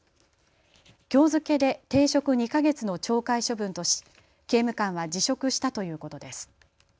きょう付けで停職２か月の懲戒処分とし刑務官は辞職したということです。